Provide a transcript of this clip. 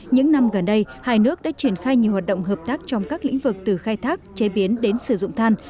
những năm gần đây hai nước đã triển khai nhiều hoạt động hợp tác trong các lĩnh vực từ khai thác chế biến đến sử dụng than